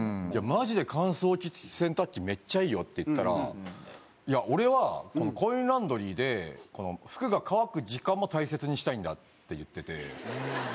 マジで乾燥機つき洗濯機めっちゃいいよって言ったら「いや俺はコインランドリーで服が乾く時間も大切にしたいんだ」って言ってて。